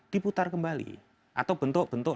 diputar kembali atau bentuk bentuk